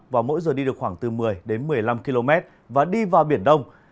và mỗi giờ đi được khoảng từ một mươi đến một mươi năm km và đi vào biển đông